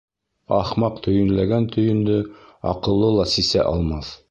Ахмаҡ төйөнләгән төйөндө аҡыллы ла сисә алмаҫ.